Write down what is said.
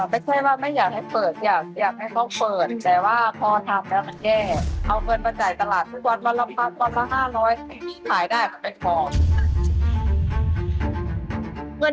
ไม่ใช่ว่าไม่อยากให้เปิดอยากให้เขาเปิด